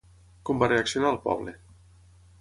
Com va reaccionar el poble?